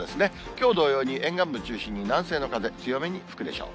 きょう同様に沿岸部中心に南西の風、強めに吹くでしょう。